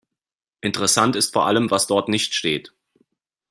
Interessant ist vor allem, was dort nicht steht.